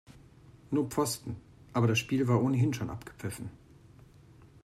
Nur Pfosten, aber das Spiel war ohnehin schon abgepfiffen.